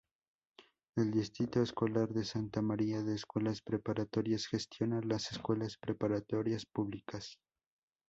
El Distrito Escolar de Santa Maria de Escuelas Preparatorias gestiona las escuelas preparatorias públicas.